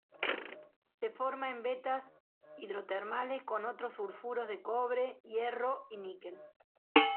Se forma en vetas hidrotermales con otros sulfuros de cobre, hierro y níquel.